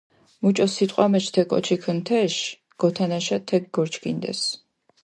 მუჭო სიტყვა მეჩ თე კოჩქჷნ თეში, გოთანაშა თექ გორჩქინდეს.